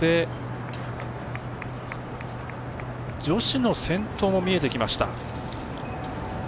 女子の先頭も見えてきました。